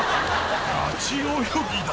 ガチ泳ぎだ！